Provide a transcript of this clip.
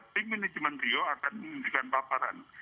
tim manajemen rio akan menunjukkan paparan